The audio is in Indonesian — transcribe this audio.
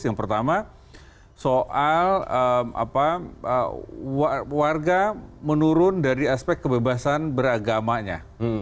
yang pertama soal warga menurun dari aspek kebebasan beragamanya